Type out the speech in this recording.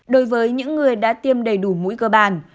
đối với những người đã tiêm đầy đủ mũi cơ bản